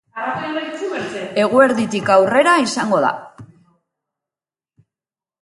Eguerditik aurrera izango da.